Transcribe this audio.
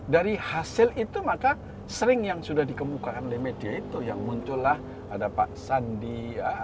dari hasil itu maka sering yang sudah dikemukakan oleh media itu yang muncullah ada pak sandi ya